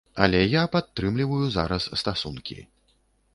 Але я падтрымліваю зараз стасункі.